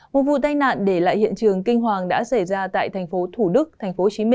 một vụ tai nạn để lại hiện trường kinh hoàng đã xảy ra tại tp thủ đức tp hcm